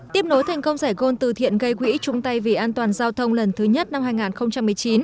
tiếp nối thành công giải gôn từ thiện gây quỹ trung tây vì an toàn giao thông lần thứ nhất năm hai nghìn một mươi chín